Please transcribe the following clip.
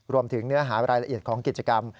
รวมถึงเนื้อหารายละเอียดของกิจกรรม